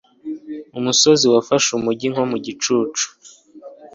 Umusozi wafashe umujyi nko mu gicucu